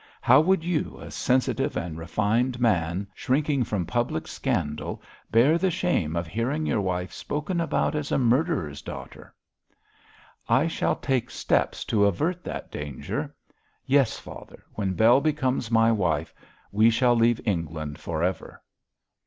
How would you, a sensitive and refined man shrinking from public scandal, bear the shame of hearing your wife spoken about as a murderer's daughter?' 'I shall take steps to avert that danger. Yes, father, when Bell becomes my wife we shall leave England for ever.'